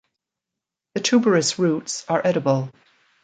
The tuberous roots are edible.